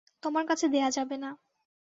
তোমার কাছে দেয়া যাবে না।